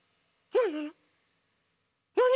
なに？